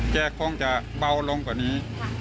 คงจะเบาลงกว่านี้